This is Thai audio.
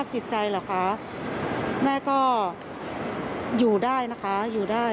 ก็สภาพอยู่ได้ค่ะอยู่ได้